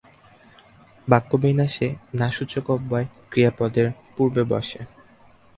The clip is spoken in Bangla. বাক্যবিন্যাসে না-সূচক অব্যয় ক্রিয়াপদের পূর্বে বসে।